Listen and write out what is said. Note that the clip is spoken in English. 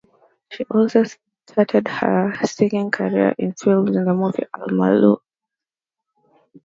She also started her singing career in films in the movie "Al Mallu".